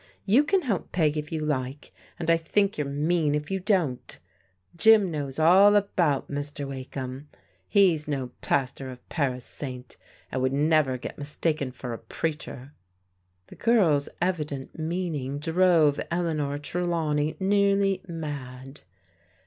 You can help Peg if you like, and I think you're mean if you don't. Jim knows all about Mr. Wakeham. He's no plaster of Paris saint, and would never get mistaken for a preacher." The girl's evident meaning drove Eleanor Trelawney nearly mad.